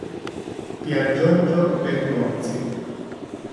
Piergiorgio Bergonzi